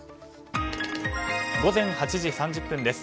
午前８時３０分です。